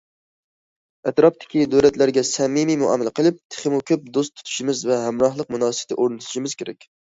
ئەتراپتىكى دۆلەتلەرگە سەمىمىي مۇئامىلە قىلىپ، تېخىمۇ كۆپ دوست تۇتۇشىمىز ۋە ھەمراھلىق مۇناسىۋىتى ئورنىتىشىمىز كېرەك.